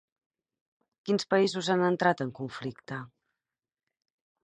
Quins països han entrat en conflicte?